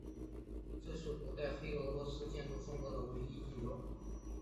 这是古代黑俄罗斯建筑风格的唯一遗留。